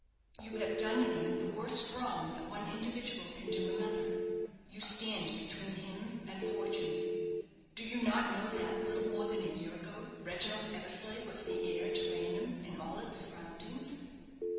"You have done him the worst wrong that one individual can do another you stand between him and fortune. Do you not know that, little more than a year ago, Reginald Eversleigh was the heir to Raynham and all its surroundings?"